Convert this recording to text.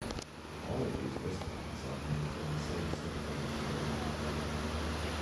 All of these wristbands are made from the same silicone material.